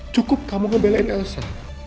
cukup kamu ngebelain elsa